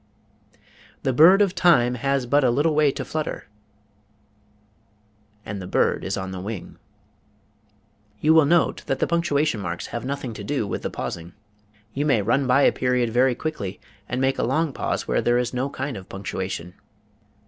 The bird of time has but a little way to flutter, and the bird is on the wing. You will note that the punctuation marks have nothing to do with the pausing. You may run by a period very quickly and make a long pause where there is no kind of punctuation.